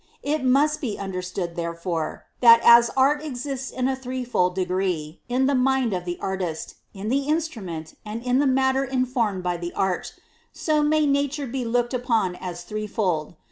It must be understood, therefore, that as art exists in a threefold degree, in the mind of the artist, in the instrument, and in the matter informed by the art,^ so may Natur^.J).^. lj»o^^ upon as threefold.